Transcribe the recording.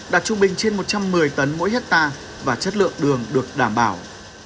đạt trung bình trên một trăm một mươi tấn mỗi hectare và chất lượng đường được đảm bảo